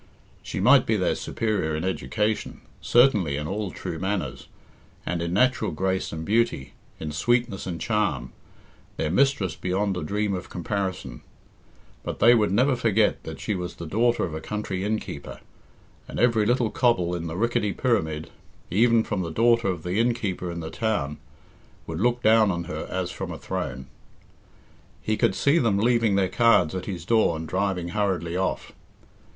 She might be their superior in education, certainly in all true manners, and in natural grace and beauty, in sweetness and charm, their mistress beyond a dream of comparison. But they would never forget that she was the daughter of a country innkeeper, and every little cobble in the rickety pyramid, even from the daughter of the innkeeper in the town, would look down on her as from a throne. He could see them leaving their cards at his door and driving hurriedly off.